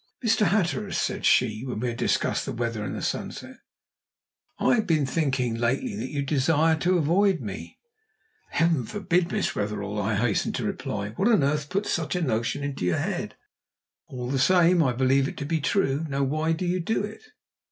"Mr. Hatteras," said she, when we had discussed the weather and the sunset, "I have been thinking lately that you desire to avoid me." "Heaven forbid! Miss Wetherell," I hastened to reply. "What on earth put such a notion into your head?" "All the same I believe it to be true. Now, why do you do it?"